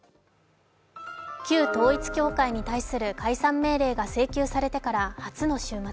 旧統一教会に対する解散命令が請求されてから初の週末。